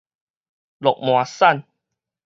鹿麻產